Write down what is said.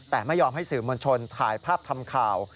แต่ไม่ยอมให้สื่อมวลชนถ่ายภาพทำข่าว